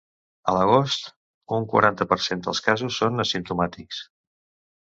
A l'agost, un quaranta per cent dels casos són asimptomàtics.